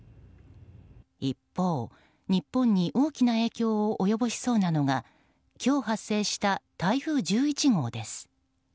一方、日本に大きな影響を及ぼしそうなのが今日、発生した台風１１号です。